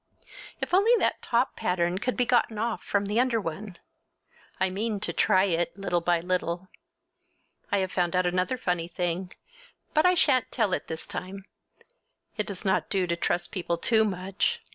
If only that top pattern could be gotten off from the under one! I mean to try it, little by little. I have found out another funny thing, but I shan't tell it this time! It does not do to trust people too much.